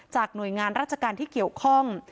หน่วยงานราชการที่เกี่ยวข้อง